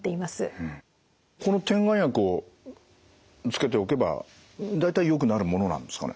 この点眼薬をつけておけば大体よくなるものなんですかね？